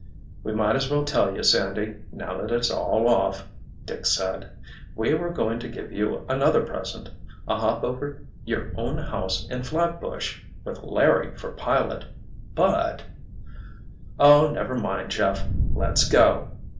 "We might as well tell you, Sandy, now that it's 'all off'," Dick said. "We were going to give you another present—a hop over your own house in Flatbush—with Larry for pilot! But——" "Oh, never mind Jeff. Let's go!"